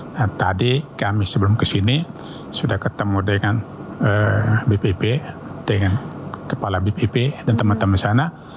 nah tadi kami sebelum kesini sudah ketemu dengan bpp dengan kepala bpp dan teman teman di sana